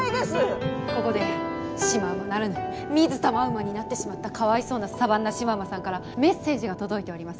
ここでシマウマならぬミズタマウマになってしまったかわいそうなサバンナシマウマさんからメッセージが届いております。